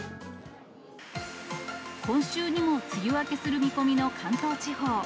今週にも梅雨明けする見込みの関東地方。